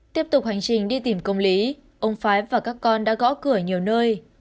tiếp tục hành trình đi tìm công lý ông phái và các con đã gõ cửa nhiều nơi